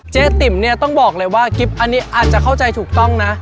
เจ๊ติ๋มเนี่ยต้องบอกเลยว่ากิ๊บอันนี้อาจจะเข้าใจถูกต้องนะ